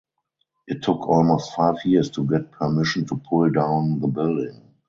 It took almost five years to get permission to pull down the building.